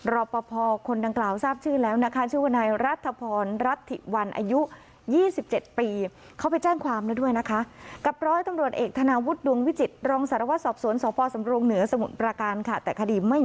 รอกภพคนดังกล่าวทราบชื่อแล้วนะคะชื่อว่าในรัฐพรรณรัฐิวันอายุยี่สิบเจ็ดปี